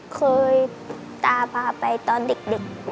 เคยตาพาไปตอนเด็ก